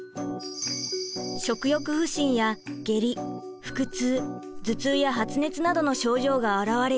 食欲不振や下痢腹痛頭痛や発熱などの症状が表れる